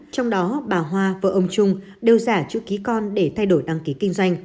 trong đó bà hoa vợ ông trung đều giả chữ ký con để thay đổi đăng ký kinh doanh